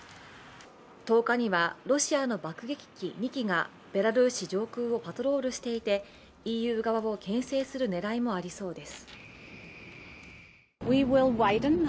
１０日にはロシアの爆撃機２機がベラルーシ上空をパトロールしていてＥＵ側をけん制する狙いもありそうです。